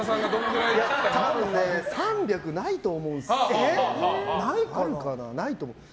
多分３００ないと思うんですよ。